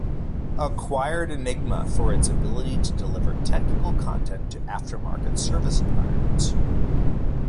Acquired Enigma for its ability to deliver technical content to aftermarket service environments.